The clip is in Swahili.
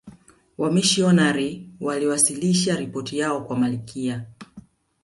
wamishionari waliwasilisha ripoti yao kwa malkia